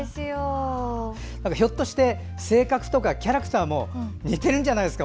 ひょっとして性格とかキャラクターも似てるんじゃないですか？